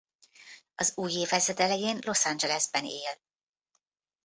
Az új évezred elején Los Angelesben él.